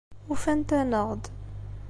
Ufant-aneɣ-d.